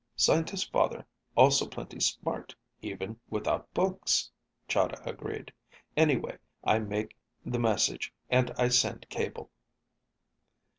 "Scientist father also plenty smart even without books," Chahda agreed. "Anyway, I make the message and I send cable."